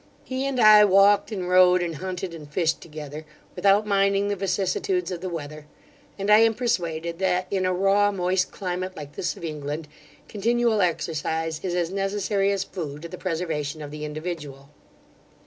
He and I walked, and rode, and hunted, and fished together, without minding the vicissitudes of the weather; and I am persuaded, that in a raw, moist climate, like this of England, continual exercise is as necessary as food to the preservation of the individual.